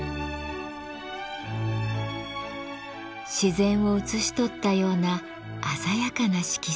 自然を写し取ったような鮮やかな色彩。